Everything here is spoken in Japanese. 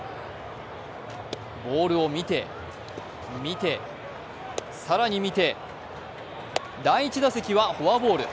ボールを見て、見て、更に見て第１打席はフォアボール。